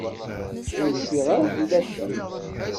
Ur cfiɣ ara fell-asent.